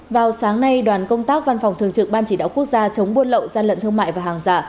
vào sáng nay đoàn công tác văn phòng thường trực ban chỉ đạo quốc gia chống buôn lậu gian lận thương mại và hàng giả